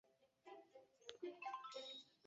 皇家芝华士兄弟创立该品牌。